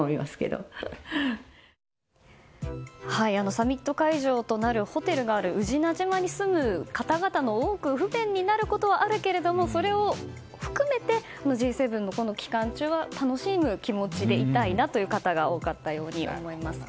サミット会場となるホテルがある宇品島に住む多くの方が不便になることはあるけれどもそれを含めてＧ７の期間中は楽しむ時間でいたいなという方が多かったように感じます。